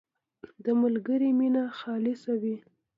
• د ملګري مینه خالصه وي.